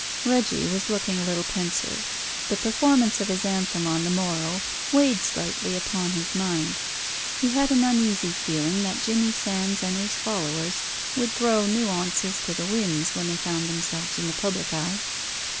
Reggie was looking a little pensive. The performance of his anthem on the morrow weighed slightly upon his mind. He had an uneasy feeling that Jimmy Sands and his followers would throw nuances to the winds when they found themselves in the public eye.